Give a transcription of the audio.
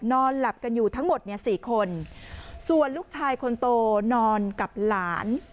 นอนหลับกันอยู่ทั้งหมดเนี่ยสี่คนส่วนลูกชายคนโตนอนกับหลาน